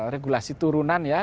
regulasi turunan ya